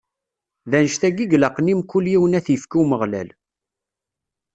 D annect-agi i ilaqen i mkul yiwen ad t-ifk i Umeɣlal.